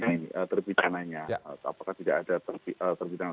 apakah ini tergidana apakah tidak ada tergidana